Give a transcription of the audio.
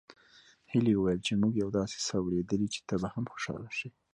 هيلې وويل چې موږ يو داسې څه اورېدلي چې ته به هم خوشحاله شې